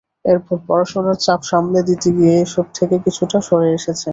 এরপর পড়াশোনার চাপ সামাল দিতে গিয়ে এসব থেকে কিছুটা সরে এসেছে।